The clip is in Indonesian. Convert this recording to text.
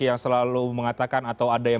yang selalu mengatakan atau ada yang